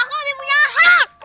aku lebih punya hak